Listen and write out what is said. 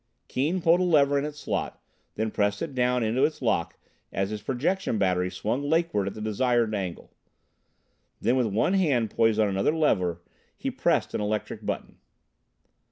Keane pulled a lever in its slot, then pressed it down into its lock as his projection battery swung lakeward at the desired angle. Then with one hand poised on another lever, he pressed an electric button.